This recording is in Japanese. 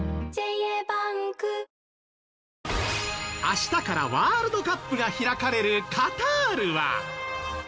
明日からワールドカップが開かれるカタールは。